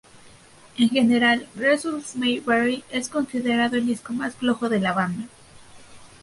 En general, "Results May Vary" es considerado el disco más flojo de la banda.